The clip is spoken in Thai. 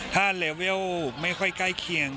ถ้าเลเวลไม่ค่อยใกล้เคียง